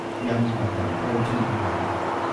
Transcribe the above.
任何人都會鍾意佢